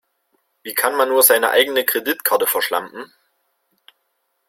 Wie kann man nur seine eigene Kreditkarte verschlampen?